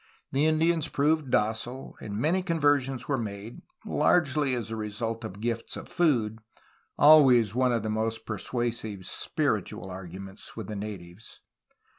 The Indians proved docile, and many conversions were made, largely as a result of gifts of food, — always one of the most persuasive ^'spiritual arguments'' with the natives.